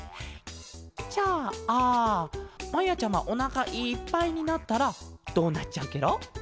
じゃあまやちゃまおなかいっぱいになったらどうなっちゃうケロ？